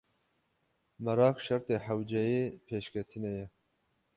Meraq şertê hewce yê pêşketinê ye.